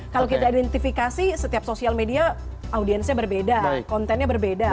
kalau kita identifikasi setiap sosial media audiensnya berbeda kontennya berbeda